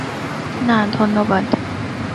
না, ধন্যবাদ।